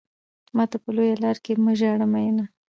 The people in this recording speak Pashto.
ماته په لويه لار کې مه ژاړه ميننه